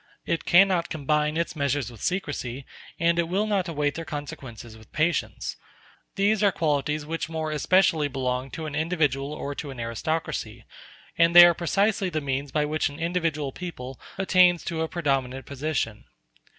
It cannot combine its measures with secrecy, and it will not await their consequences with patience. These are qualities which more especially belong to an individual or to an aristocracy; and they are precisely the means by which an individual people attains to a predominant position.